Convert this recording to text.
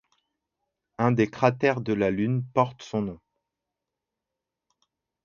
Un des cratères de la Lune porte son nom.